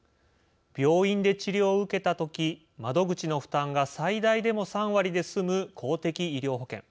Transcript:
病院で治療を受けたとき窓口の負担が最大でも３割で済む公的医療保険。